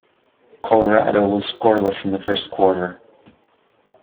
Colorado was scoreless in the first quarter.